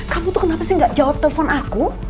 kamu tuh kenapa sih gak jawab telepon aku